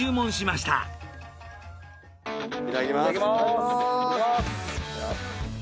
いただきます。